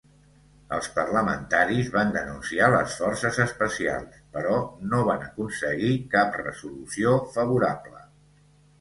Els parlamentaris van denunciar les forces especials, però no van aconseguir cap resolució favorable.